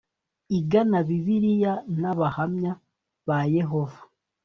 Igana Bibiliya n'abahamya ba Yehova